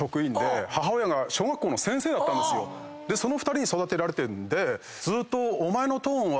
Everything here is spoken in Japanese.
その２人に育てられてるんでずーっと。